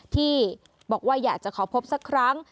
ที่บอกว่าอยากจะขอพบสักครั้ง